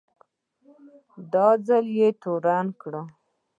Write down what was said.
دا ځل یې توره وکړه.